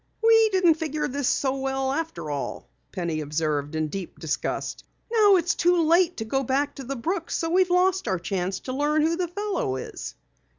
"We didn't figure this so well after all!" Penny observed in deep disgust. "Now it's too late to go back to the brook, so we've lost our chance to learn who the fellow is."